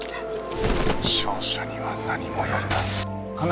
「勝者には何もやるな」